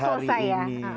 harusnya selesai ya